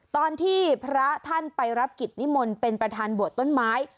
ตอนที่พระท่านไปรับกิจนิมนต์เป็นประธานบวชต้นไม้